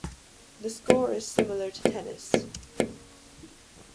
The score is similar to tennis.